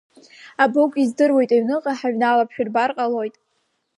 Абыгә издыруеит, аҩныҟа ҳаҩналап, шәырбар ҟалоит.